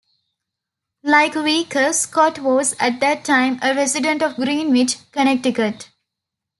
Like Weicker, Scott was, at that time, a resident of Greenwich, Connecticut.